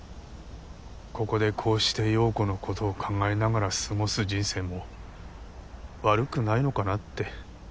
ここでこうして葉子のことを考えながら過ごす人生も悪くないのかなって。